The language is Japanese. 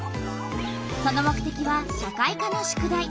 その目てきは社会科の宿題。